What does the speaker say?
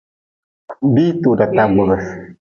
Biihi toda taa gbub.